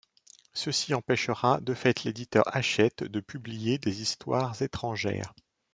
Ceci empêchera de fait l'éditeur Hachette de publier des histoires étrangères.